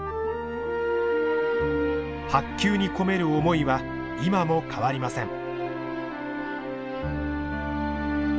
白球に込める思いは今も変わりません。